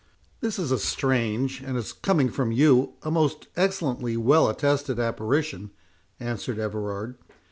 "This is a strange, and, as coming from you, a most excellently well attested apparition," answered Everard.